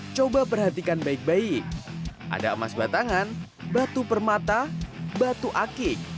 coba perhatikan baik baik ada emas batangan batu permata batu akik